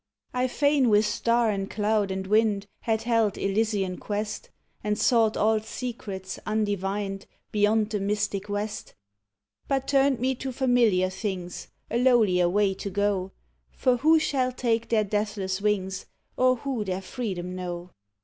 I fain with star and cloud and wind Had held elysian quest And sought all secrets undivined, Beyond the mystic West; But turned me to familiar things, A lowlier way to go, For who shall take their deathless wings, Or who their freedom know?